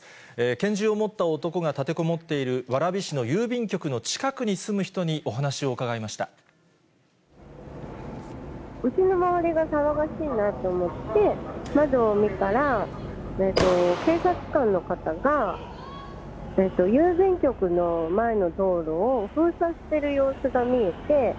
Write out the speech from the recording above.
拳銃を持った男が立てこもっている蕨市の郵便局の近くに住む人にうちの周りが騒がしいなと思って、窓を見たら、警察官の方が郵便局の前の道路を封鎖してる様子が見えて。